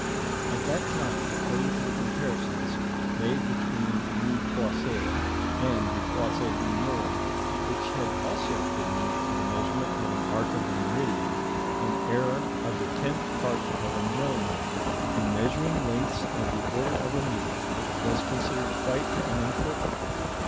At that time, according to the comparisons made between this new toise and the Toise du Nord, which had also been used for the measurement of an arc of the meridian, an error of the tenth part of a millimetre in measuring lengths of the order of a metre was considered quite unimportant.